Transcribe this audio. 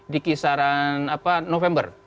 di kisaran apa november